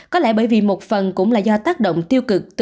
có lẽ bởi vì một phần cũng là do tác động tiêu cực